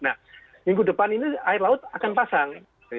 nah minggu depan ini air laut akan pasang